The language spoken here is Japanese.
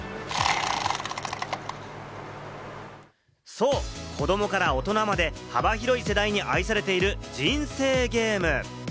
そう、子供から大人まで幅広い世代に愛されている人生ゲーム。